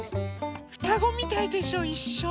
ふたごみたいでしょいっしょ。